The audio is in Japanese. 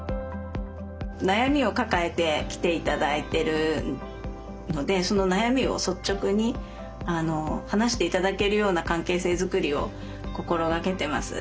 悩みを抱えて来て頂いてるのでその悩みを率直に話して頂けるような関係性作りを心掛けてます。